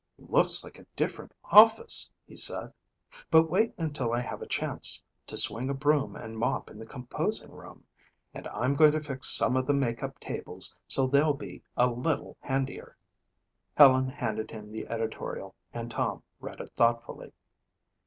"Looks like a different office," he said. "But wait until I have a chance to swing a broom and mop in the composing room. And I'm going to fix some of the makeup tables so they'll be a little handier." Helen handed him the editorial and Tom read it thoughtfully.